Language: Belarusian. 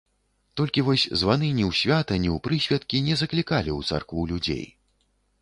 Толькі вось званы ні ў свята, ні ў прысвяткі не заклікалі ў царкву людзей.